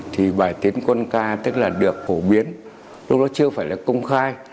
thì bài tiến quân ca tức là được phổ biến lúc đó chưa phải là công khai